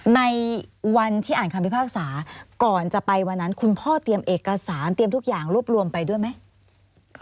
ในวันที่อ่านคำพิพากษาก่อนจะไปวันนั้นคุณพ่อเตรียมเอกสารเตรียมทุกอย่างรวบรวมไปด้วยไหม